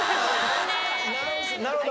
なるほど。